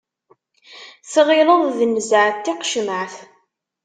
Tɣileḍ d nnzeɛ n tiqecmaɛt.